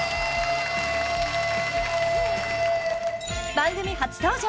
番組初登場